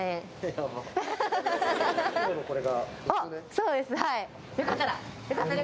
そうですはいやる？